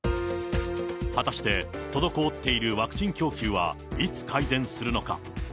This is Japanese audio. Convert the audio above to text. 果たして、滞っているワクチン供給はいつ改善するのか。